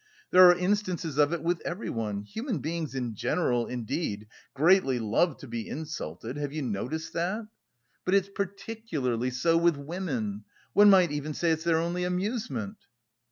There are instances of it with everyone; human beings in general, indeed, greatly love to be insulted, have you noticed that? But it's particularly so with women. One might even say it's their only amusement."